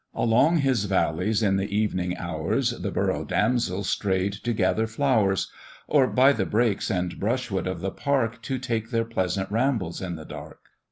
Along his valleys, in the evening hours, The borough damsels stray'd to gather flowers, Or by the brakes and brushwood of the park, To take their pleasant rambles in the dark.